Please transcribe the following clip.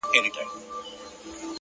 هره لاسته راوړنه د هڅې عکس دی’